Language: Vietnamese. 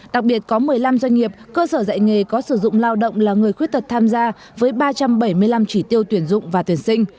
đặc biệt có một mươi năm doanh nghiệp cơ sở dạy nghề có sử dụng lao động là người khuyết tật tham gia với ba trăm bảy mươi năm chỉ tiêu tuyển dụng và tuyển sinh